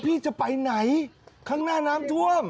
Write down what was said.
พี่จะไปไหนข้างหน้าน้ำท่วม